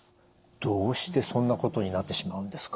どうしてそんなことになってしまうんですか？